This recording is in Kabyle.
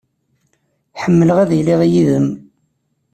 Ḥemmleɣ ad iliɣ yid-m.